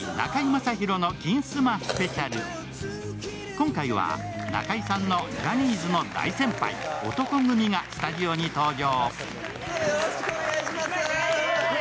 今回は中居さんのジャニーズの大先輩、男闘呼組がスタジオに登場。